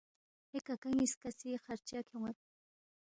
اے ککا نِ٘یسکا سی خرچہ کھیون٘ید